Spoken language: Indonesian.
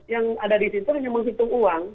yang ada di situ hanya menghitung uang